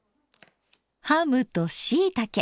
ハムとしいたけ。